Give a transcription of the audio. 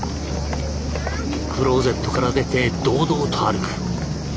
クローゼットから出て堂々と歩く。